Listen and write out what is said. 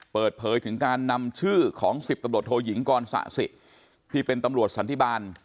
เปิดเผยถึงการนำชื่อของ๑๐ตำรวจโทยิงกรสะสิที่เป็นตำรวจสันติบาล